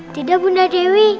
tidak binda dewi